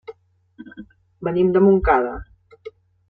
Venim de Montcada.